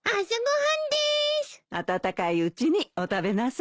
温かいうちにお食べなさい。